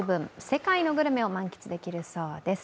世界のグルメを満喫できるそうです。